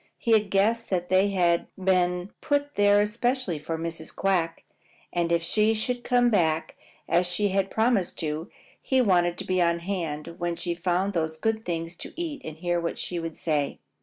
He had guessed that they had been put there especially for Mrs. Quack, and if she should come back as she had promised to do, he wanted to be on hand when she found those good things to eat and hear what she would say.